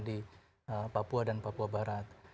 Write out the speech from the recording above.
di papua dan papua barat